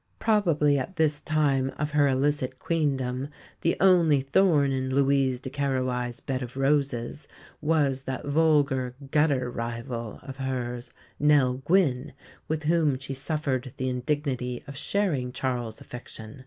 Probably at this time of her illicit queendom the only thorn in Louise de Querouaille's bed of roses was that vulgar, "gutter rival" of hers, Nell Gwynn, with whom she suffered the indignity of sharing Charles's affection.